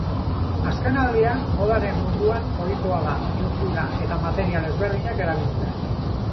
Azkenaldian modaren munduan ohikoa da ehundura eta material ezberdinak erabiltzea.